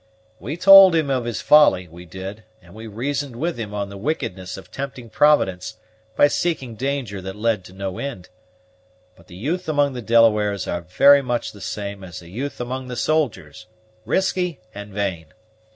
We told him of his folly, we did; and we reasoned with him on the wickedness of tempting Providence by seeking danger that led to no ind; but the youth among the Delawares are very much the same as the youth among the soldiers, risky and vain.